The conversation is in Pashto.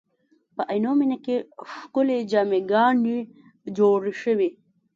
په عینومېنه کې ښکلې جامع ګانې جوړې شوې.